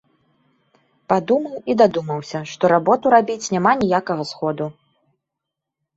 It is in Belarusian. Падумаў і дадумаўся, што работу рабіць няма ніякага сходу.